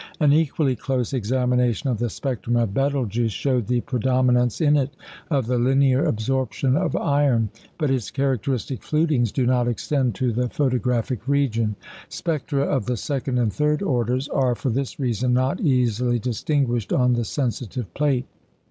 An equally close examination of the spectrum of Betelgeux showed the predominance in it of the linear absorption of iron; but its characteristic flutings do not extend to the photographic region. Spectra of the second and third orders are for this reason not easily distinguished on the sensitive plate.